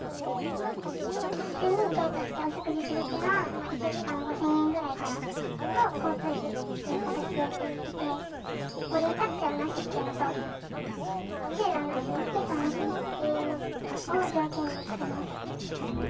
普通にデートしてお食事するのは、１時間５０００円ぐらいからと交通費という形でやっていて、ボディータッチはなしっていうのと、ちゅーはなし、キスはなしというのを条件にしてます。